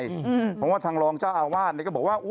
เพราะว่าทางรองเจ้าอาวาสก็บอกว่า